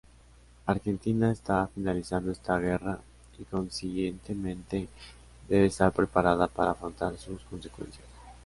Argentina está finalizando esta guerra y, consiguientemente, debe estar preparada para afrontar sus consecuencias.